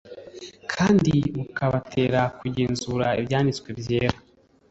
kandi bukabatera kugenzura Ibyanditswe byera.